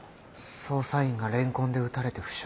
捜査員がレンコンで撃たれて負傷したって。